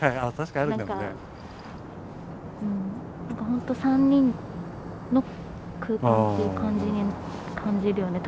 ほんと３人の空間っていう感じに感じるよね